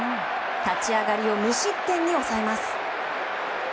立ち上がりを無失点に抑えます。